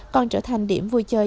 còn trở thành điểm vui chơi